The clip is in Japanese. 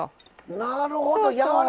なるほど！